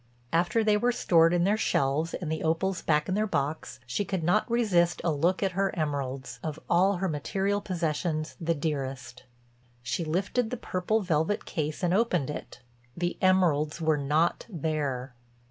After they were stored in their shelves and the opals back in their box she could not resist a look at her emeralds, of all her material possessions the dearest. She lifted the purple velvet case and opened it—the emeralds were not there.